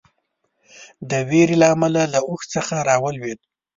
د وېرې له امله له اوښ څخه راولېده.